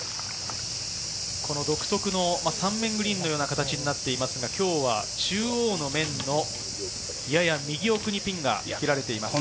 独特の３面グリーンのような形になっていますが、今日は中央の面のやや右奥にピンが切られています。